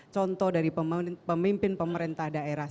contoh dari pemimpin pemerintah daerah